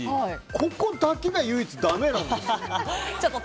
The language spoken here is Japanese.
ここだけが唯一だめなんですよ。